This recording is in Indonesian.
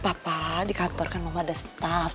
papa di kantor kan belum ada staff